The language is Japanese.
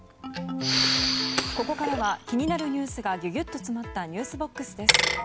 ここからは気になるニュースがギュギュっと止まったｎｅｗｓＢＯＸです。